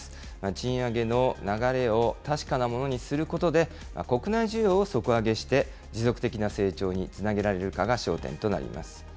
賃上げの流れを確かなものにすることで、国内需要を底上げして、持続的な成長につなげられるかが焦点となります。